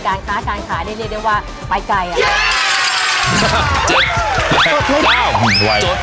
การค้าการขายนี่เรียกได้ว่าไปไกลอ่ะ